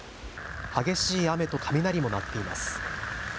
激しい雨と雷も鳴っています。